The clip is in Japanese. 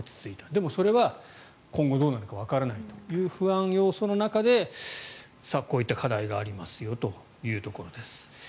でもそれは今後どうなるかわからないという不安要素の中でこういった課題がありますよというところです。